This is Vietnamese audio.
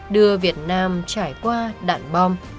đưa việt nam trải qua đạn bom